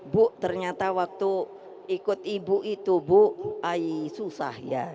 bu ternyata waktu ikut ibu itu bu ay susah ya